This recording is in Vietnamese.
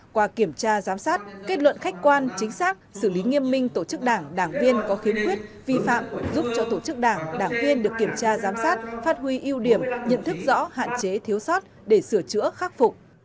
qua kiểm tra giám sát kết luận khách quan chính xác xử lý nghiêm minh tổ chức đảng đảng viên có khiếm khuyết vi phạm giúp cho tổ chức đảng đảng viên được kiểm tra giám sát phát huy ưu điểm nhận thức rõ hạn chế thiếu sót để sửa chữa khắc phục